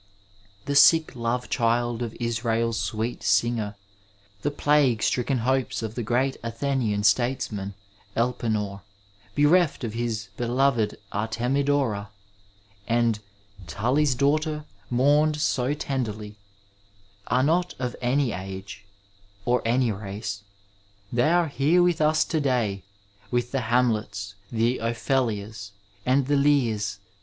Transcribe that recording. The sick love child of Israel's sweet singer, the plague stricken hopes of the great Athenian statesman, Elpenor, bereft of his beloved Artemidora, and '^Tully's daughter mourned so tenderly," are not of any age or any race — ^they are here with us to day, with the Hamlets, the Ophelias, and the Lears.